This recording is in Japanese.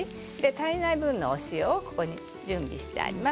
足りない分の塩を準備してあります。